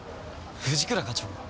藤倉課長。